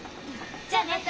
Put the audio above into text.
じゃあね。